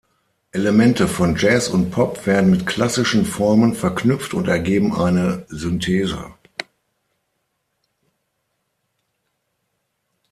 Elemente von Jazz und Pop werden mit klassischen Formen verknüpft und ergeben eine Synthese.